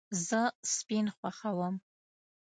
زه سپین خوښوم